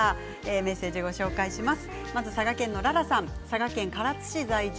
メッセージをご紹介します。